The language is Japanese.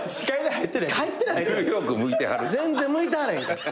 全然向いてはらへんから。